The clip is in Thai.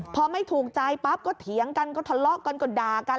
พอไม่ถูกใจปั๊บก็เถียงกันก็ทะเลาะกันก็ด่ากัน